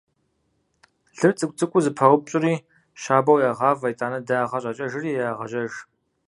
Лыр цӀыкӀу-цӀыкӀуу зэпаупщӀри щабэу ягъавэ, итӀанэ дагъэ щӀакӀэри ягъажьэж.